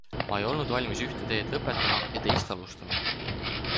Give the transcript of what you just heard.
Ma ei olnud valmis ühte teed lõpetama ja teist alustama.